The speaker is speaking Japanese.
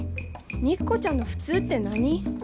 肉子ちゃんの普通って何？